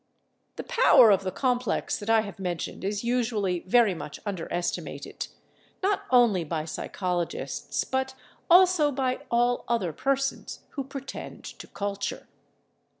The power of the complex that I have mentioned is usually very much underestimated, not only by psychologists, but also by all other persons who pretend to culture.